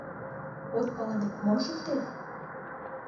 От пале дык, мом шуктет?..